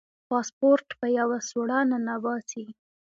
پاسپورټ په یوه سوړه ننباسي.